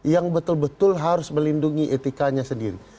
yang betul betul harus melindungi etikanya sendiri